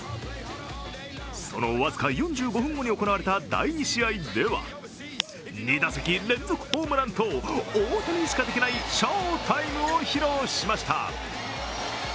その僅か４５分後に行われた第２試合では２打席連続ホームランと大谷しかできない翔タイムを披露しました。